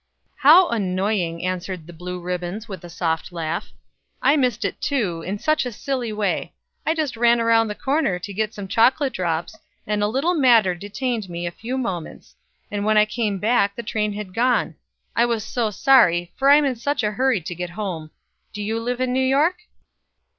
"How annoying!" answered the blue ribbons with a soft laugh. "I missed it, too, in such a silly way. I just ran around the corner to get some chocolate drops, and a little matter detained me a few moments; and when I came back, the train had gone. I was so sorry, for I'm in such a hurry to get home. Do you live in New York?"